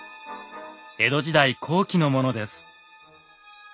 江戸時代後期のものです。